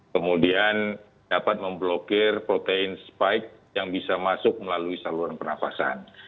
kemudian dapat memblokir protein spike yang bisa masuk melalui saluran pernafasan